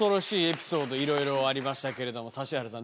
いろいろありましたけれども指原さん